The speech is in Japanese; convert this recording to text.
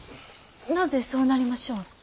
なぜそうなりましょう？